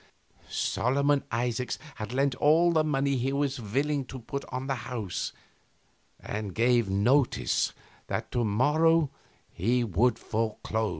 Solomon Isaacs had lent all the money he was willing to put on the house, and gave notice that to morrow he would foreclose.